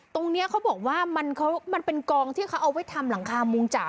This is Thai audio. ตรงนี้เขาบอกว่ามันเป็นกองที่เขาเอาไว้ทำหลังคามุงจ๋า